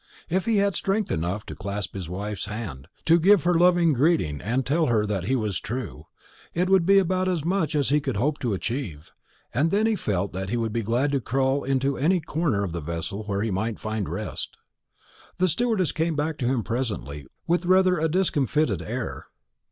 If he had strength enough to clasp his wife's hand, to give her loving greeting and tell her that he was true, it would be about as much as he could hope to achieve; and then he felt that he would be glad to crawl into any corner of the vessel where he might find rest. The stewardess came back to him presently, with rather a discomfited air.